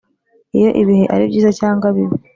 iyo ibihe ari byiza cyangwa bibi.